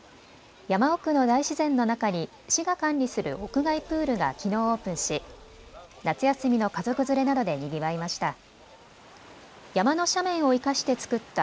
山奥の大自然の中に市が管理する屋外プールがきのうオープンし夏休みの家族連れなどでにぎわいました。